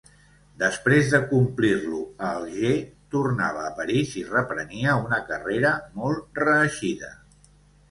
Després de complir-lo a Alger, tornava a París i reprenia una carrera molt reeixida.